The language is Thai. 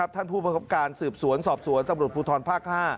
ท่านผู้ประคับการสืบสวนสอบสวนตำรวจภูทรภาค๕